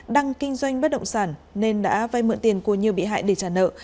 đăng kinh doanh bất động sản nên đã vay mượn tiền của nhiều bị hại để trả nợ